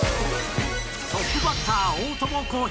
トップバッター大友康平